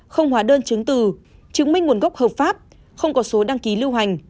không hóa đơn chứng từ chứng minh nguồn gốc hợp pháp không có số đăng ký lưu hành